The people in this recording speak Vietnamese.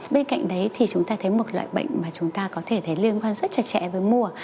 bên cạnh đấy thì chúng ta thấy một loại bệnh mà chúng ta có thể thấy liên quan rất chặt chẽ với mùa